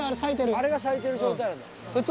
あれが咲いてる状態なんだ普通